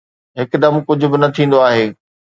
هڪدم ڪجهه به نه ٿيندو آهي.